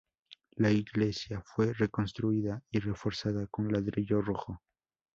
La iglesia fue reconstruida y reforzada con ladrillo rojo.